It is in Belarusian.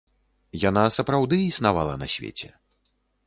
Яна сапраўды існавала на свеце.